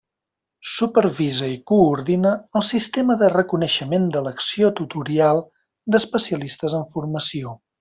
Supervisa i coordina el sistema de reconeixement de l'acció tutorial d'especialistes en formació.